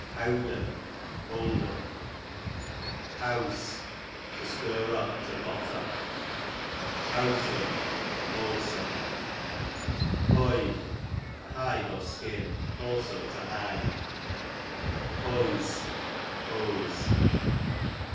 Howd'n, holden. Howse, to stir up, to potter. Howsome, wholesome. Hoyde, a hide or shin ; also to hide. Hoyse, hose.